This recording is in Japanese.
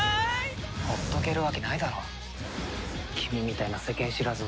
ほっとけるわけないだろ君みたいな世間知らずを。